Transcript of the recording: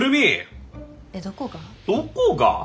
えっどこが？